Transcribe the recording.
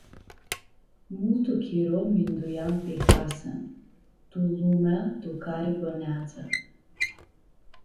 Multu chiro mindueam pi Hasan, tu lumea tu cari bãneadzã.